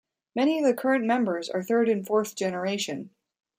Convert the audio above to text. Many of the current members are third and fourth generation.